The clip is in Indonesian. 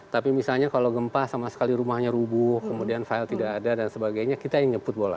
tapi misalnya kalau gempa sama sekali rumahnya rubuh kemudian file tidak ada dan sebagainya kita yang nyebut bola